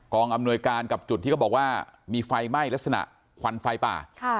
อำนวยการกับจุดที่เขาบอกว่ามีไฟไหม้ลักษณะควันไฟป่า